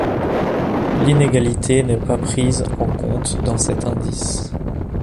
L'inégalité n'est pas prise en compte dans cet indice.